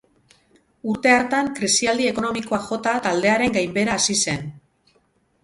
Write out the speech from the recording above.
Urte hartan krisialdi ekonomikoak jota taldearen gainbehera hasi zen.